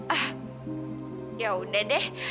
ah ya udah deh